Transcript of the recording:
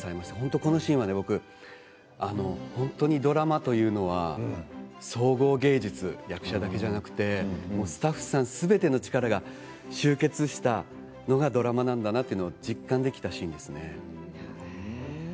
このシーンは、僕はドラマというのは総合芸術、役者だけじゃなくてスタッフさんすべての力が集結したのがドラマなんだなと実感できたシーンです。